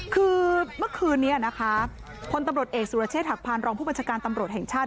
คือเมื่อคืนนี้นะคะพลตำรวจเอกสุรเชษฐหักพานรองผู้บัญชาการตำรวจแห่งชาติ